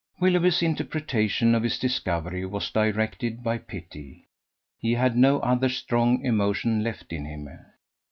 Willoughby's interpretation of his discovery was directed by pity: he had no other strong emotion left in him.